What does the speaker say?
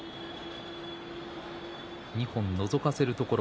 二本のぞかせるころ